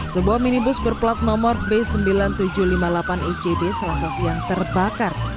sebuah minibus berplat nomor b sembilan ribu tujuh ratus lima puluh delapan icb selasa siang terbakar